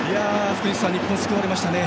福西さん、日本は救われましたね。